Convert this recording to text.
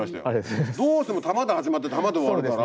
どうしても玉で始まって玉で終わるから。